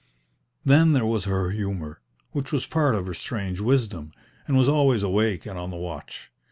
Then there was her humour, which was part of her strange wisdom, and was always awake and on the watch.